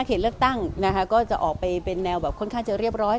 เขตเลือกตั้งนะคะก็จะออกไปเป็นแนวแบบค่อนข้างจะเรียบร้อย